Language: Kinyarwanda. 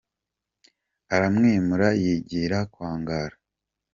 Aramwimura yigira kwa Ngara !.